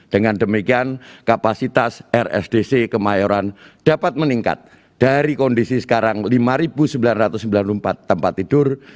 dengan demikian kapasitas rsdc kemayoran dapat meningkat dari kondisi sekarang lima sembilan ratus sembilan puluh empat tempat tidur